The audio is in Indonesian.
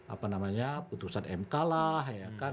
apa namanya putusan mk lah